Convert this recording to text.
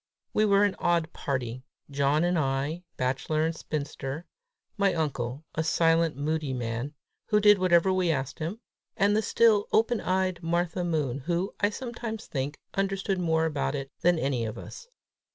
We were an odd party: John and I, bachelor and spinster; my uncle, a silent, moody man, who did whatever we asked him; and the still, open eyed Martha Moon, who, I sometimes think, understood more about it all than any of us.